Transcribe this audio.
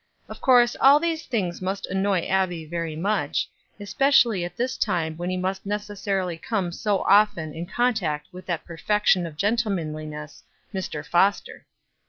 Of course all these things must annoy Abbie very much, especially at this time when he must necessarily come so often in contact with that perfection of gentlemanliness, Mr. Foster.